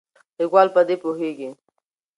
لیکوال په دې پوهیږي.